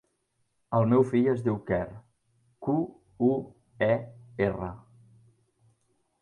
El meu fill es diu Quer: cu, u, e, erra.